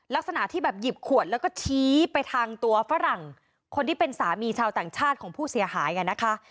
ลักษณะที่แบบหยิบขวดแล้วก็ชี้ไปทางตัวฝรั่งคนที่เป็นสามีชาวต่างชาติของผู้เสียหายกันนะคะ